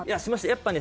やっぱね